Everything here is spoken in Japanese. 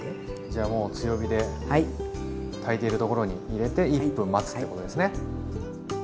じゃあもう強火でたいているところに入れて１分待つってことですね。